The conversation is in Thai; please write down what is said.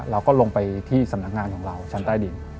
เราก็ลงไปที่สำนักงานของเราชั้นใต้ดิน